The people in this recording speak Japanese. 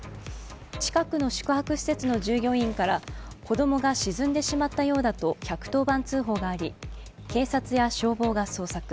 近くの宿泊施設の従業員から子供が沈んでしまったようだと１１０番通報があり警察や消防が捜索。